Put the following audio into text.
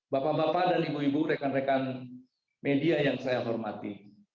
bapak bapak dan ibu ibu rekan rekan media yang saya hormati